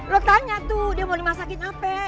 lo tanya tuh dia mau dimasakin apa